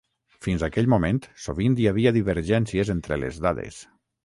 Fins aquell moment sovint hi havia divergències entre les dades.